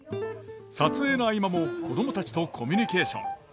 撮影の合間も子供たちとコミュニケーション。